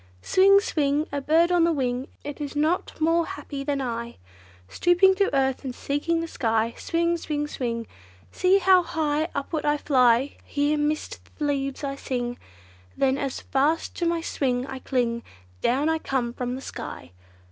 Swing! swing! a bird on the wing It is not more happy than I! Stooping to earth, and seeking the sky. Swing! swing! swing! See how high upward I fly! Here, midst the leaves I swing; Then, as fast to my swing I cling, Down I come from the sky!